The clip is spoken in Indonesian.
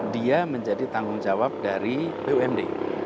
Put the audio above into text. dia menjadi tanggung jawab dari bumd